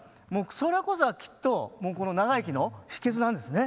それこそがきっとこの長生きの秘訣なんですね。